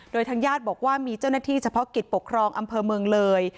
โดยทางญาติบอกว่ามีเจ้าหน้าที่เฉพาะกิจปกครองอำเภอเมืองเลย